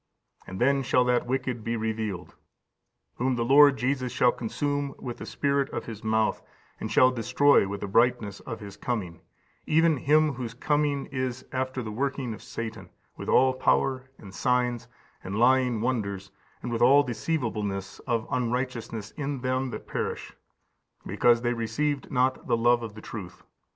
And then shall that wicked be revealed, whom the Lord Jesus shall consume with the Spirit of His mouth, and shall destroy with the brightness of His coming: (even him) whose coming is after the working of Satan, with all power, and signs, and lying wonders, and with all deceivableness of unrighteousness in them that perish; because they received not the love of the truth.